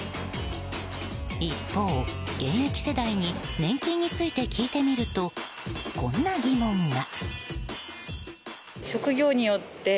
一方、現役世代に年金について聞いてみるとこんな疑問が。